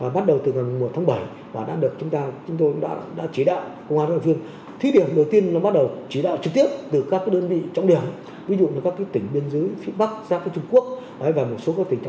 bắt năm trăm năm mươi đối tượng có hành vi mua bán người